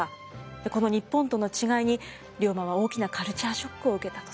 この日本との違いに龍馬は大きなカルチャーショックを受けたとされてます。